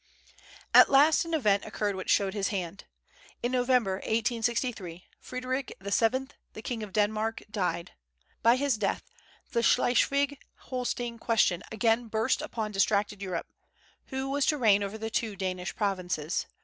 At last an event occurred which showed his hand. In November, 1863, Frederick VII., the king of Denmark, died. By his death the Schleswig Holstein question again burst upon distracted Europe, Who was to reign over the two Danish provinces?